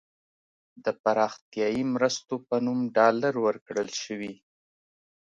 د پراختیايي مرستو په نوم ډالر ورکړل شوي.